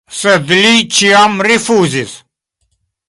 Sed li ĉiam rifuzis.